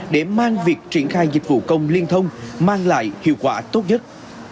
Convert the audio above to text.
để mang việc triển khai dịch vụ công liên thông mang lại hiệu quả tốt nhất